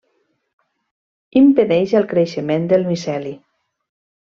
Impedeix el creixement del miceli.